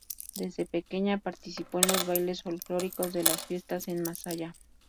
Desde pequeña participó en los bailes folklóricos de las fiestas en Masaya.